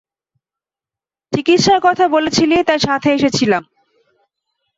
চিকিৎসার কথা বলেছিলি তাই সাথে এসেছিলাম।